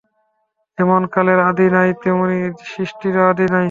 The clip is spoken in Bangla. যেমন কালের আদি নাই, তেমনি সৃষ্টিরও আদি নাই।